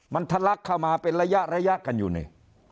มันทะลักเข้ามาเป็นระยะระยะกันอยู่นี่